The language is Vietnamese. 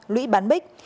lũy bán bích